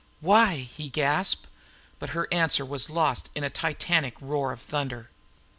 "Why?" he gasped, but her answer was lost in a titanic roar of thunder.